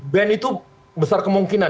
ban itu besar kemungkinan